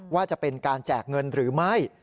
ว่าจะเป็นการแจกเงินหรือไม่